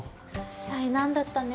災難だったね。